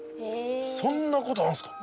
そんなことあんすか？